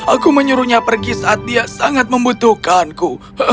aku menyuruhnya pergi saat dia sangat membutuhkanku